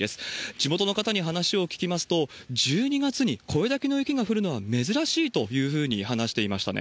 地元の方に話を聞きますと、１２月にこれだけの雪が降るのは、珍しいというふうに話していましたね。